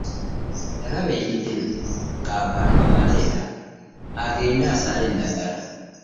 Yalaba eyidde ng’agamba Kaleere agende asale endagala.